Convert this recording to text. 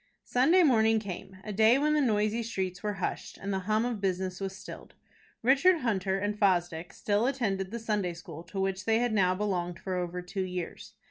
Sunday morning came, a day when the noisy streets were hushed, and the hum of business was stilled. Richard Hunter and Fosdick still attended the Sunday school, to which they had now belonged for over two years.